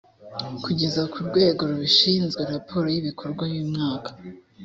kugeza ku rwego rubishinzwe raporo y ibikorwa y umwaka